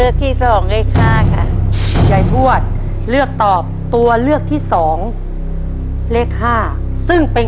ดึงแสงดึงแสงดึงแสงดึงแสง